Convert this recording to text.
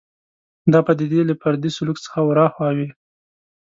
دا پدیدې له فردي سلوک څخه ورهاخوا وي